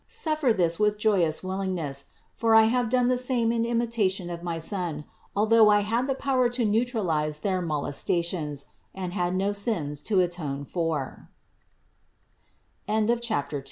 Suffer this with joyous willingness, for I have done the same in imitation of my Son, although I had the power to neutralize their molestations and had no sins to